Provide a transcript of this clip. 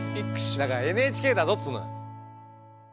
だからＮＨＫだぞっつうの。